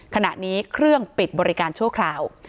ขณะนี้เครื่องปิดบริการชั่วคราว